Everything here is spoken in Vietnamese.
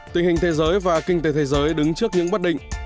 tình hình thế giới và kinh tế thế giới đứng trước những bất định